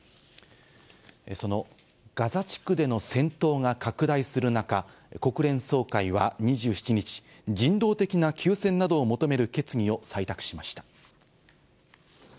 そのガザ地区での戦闘が拡大する中、国連総会は２７日、人道的な休戦などを求める決議を採択しました。